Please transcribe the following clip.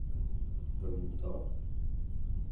Bermuda